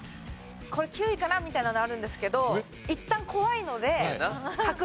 これ９位かな？みたいなのあるんですけどいったん怖いので。